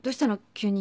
急に。